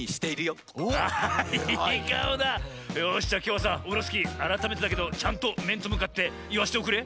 よっしゃきょうはさオフロスキーあらためてだけどちゃんとめんとむかっていわしておくれ。